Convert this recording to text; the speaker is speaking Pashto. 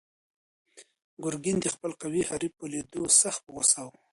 ګرګین د خپل قوي حریف په لیدو سخت په غوسه و.